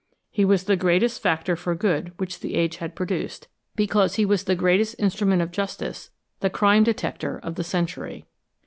He was the greatest factor for good which the age had produced, because he was the greatest instrument of justice, the crime detector of the century.